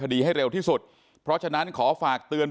อันนี้แม่งอียางเนี่ย